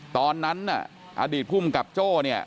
ตอนนั้นอดีตภูมิกับโจ้